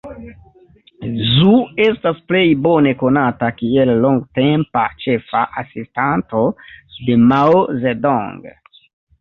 Zhou estas plej bone konata kiel longtempa ĉefa asistanto de Mao Zedong.